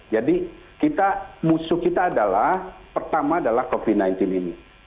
jadi kita musuh kita adalah pertama adalah covid sembilan belas ini